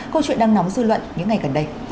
câu chuyện đang nóng dư luận những ngày gần đây